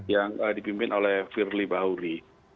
yang dipimpin oleh firly bahuri